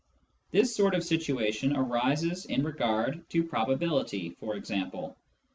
This sort of situation arises in regard to prob ability, for example.